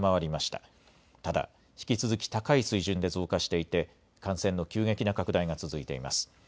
ただ、引き続き高い水準で増加していて、感染の急激な拡大が続いています。